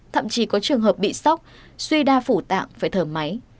thậm chí có trường hợp bị sốc suy đa phủ tạng phải thở máy